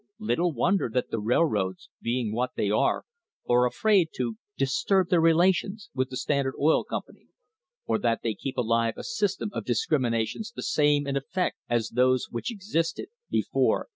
Little wonder that the railroads, being what they are, are afraid to "disturb their relations with the Standard Oil Company," or that they keep alive a system of discriminations the same in effect as those which existed before 1887.